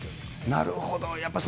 なるほど。